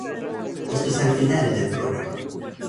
Esto es al final del programa.